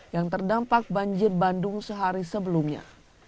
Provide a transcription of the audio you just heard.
yang terdampak banjir bandung sehari sebelumnya